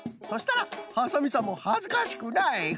そしたらハサミさんもはずかしくない。